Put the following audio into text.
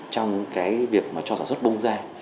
trong cái việc mà cho sản xuất bung ra